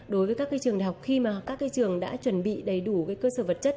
đối với các cái trường đại học khi mà các cái trường đã chuẩn bị đầy đủ cái cơ sở vật chất